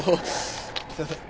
すいません